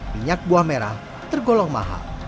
minyak buah merah tergolong mahal